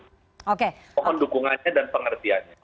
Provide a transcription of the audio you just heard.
mohon dukungannya dan pengertiannya